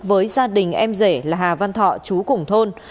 với gia đình em rể là hà văn thọ chú cùng thôn